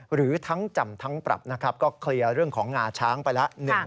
หรือทั้งจำทั้งปรับนะครับก็เคลียร์เรื่องของงาช้างไปแล้ว